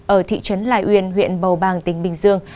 ở thị trấn lai uyên huyện bầu bàng tỉnh bình dương